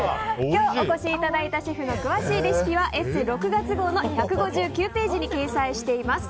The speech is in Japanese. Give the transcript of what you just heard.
今日お越しいただいたシェフの詳しいレシピは「ＥＳＳＥ」６月号の１５９ページに掲載しています。